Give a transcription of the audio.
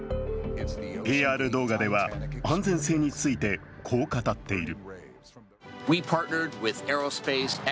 ＰＲ動画では安全性についてこう語っている。